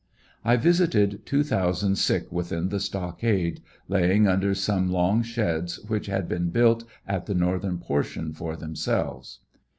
I visited two thousand sick within the stockade, laying under some long sheds which had been built at the northern portion for themselves.